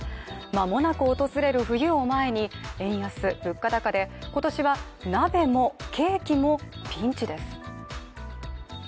間もなく訪れる冬を前に円安・物価高で、今年は、鍋もケーキもピンチです。